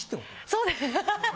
そうです。